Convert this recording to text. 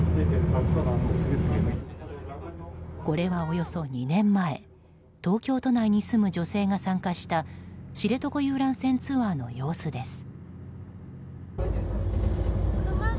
これは、およそ２年前東京都内に住む女性が参加した知床遊覧船ツアーの様子です。